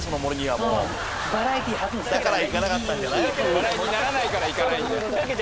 笑いにならないから行かないんだ。